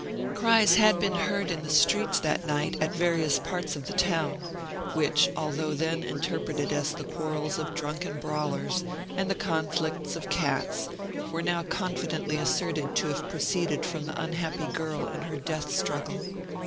Cries had been heard in the streets that night at various parts of the town, which, although then interpreted as the quarrels of drunken brawlers, and the conflicts of cats, were now confidently asserted to have proceeded from the unhappy girl in her death struggle.